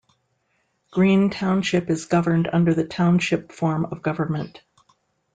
Green Township is governed under the Township form of government.